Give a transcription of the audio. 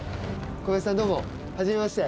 小林さん、どうも、はじめまして。